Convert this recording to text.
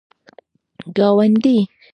گاونډی